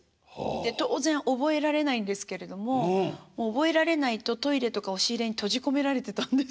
当然覚えられないんですけれども覚えられないとトイレとか押し入れに閉じ込められてたんです。